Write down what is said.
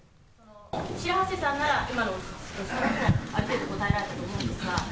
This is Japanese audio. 白波瀬さんなら今の質問、ある程度答えられたと思うんですが。